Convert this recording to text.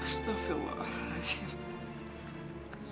astagfirullahaladzim ya allah